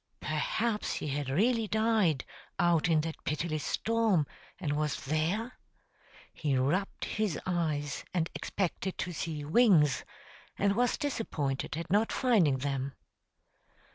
Perhaps he had really died, out in that pitiless storm, and was there? He rubbed his eyes, and expected to see wings, and was disappointed at not finding them.